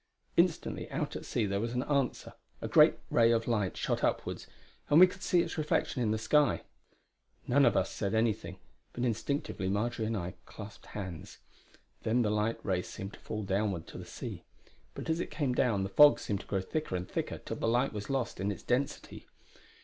Instantly out at sea was an answer; a great ray of light shot upwards, and we could see its reflection in the sky. None of us said anything; but instinctively Marjory and I clasped hands. Then the light ray seemed to fall downward to the sea. But as it came down, the fog seemed to grow thicker and thicker till the light was lost in its density.